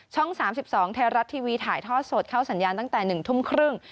๓๒ไทยรัฐทีวีถ่ายทอดสดเข้าสัญญาณตั้งแต่๑ทุ่มครึ่ง